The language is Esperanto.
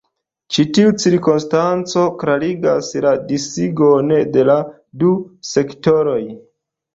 Ĉi tiu cirkonstanco klarigas la disigon de la du sektoroj.